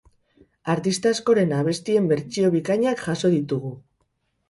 Artista askoren abestien bertsio bikainak jaso ditugu.